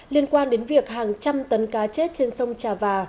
liên quan đến việc hàng trăm tấn cá chết trên sông trà và